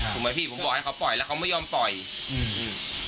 ถูกไหมพี่ผมบอกให้เขาปล่อยแล้วเขาไม่ยอมปล่อยอืมอืม